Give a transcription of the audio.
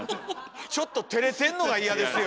ちょっとてれてんのが嫌ですよ！